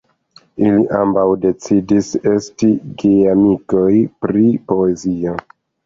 Ili ambaŭ decidis esti geamikoj pri poezio.